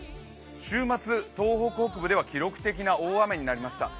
週末、東北北部では記録的な大雨になりました。